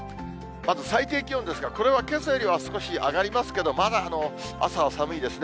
まず最低気温ですが、これはけさよりは少し上がりますけど、まだ朝は寒いですね。